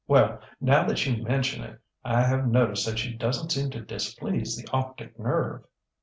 ŌĆśWell, now that you mention it, I have noticed that she doesnŌĆÖt seem to displease the optic nerve.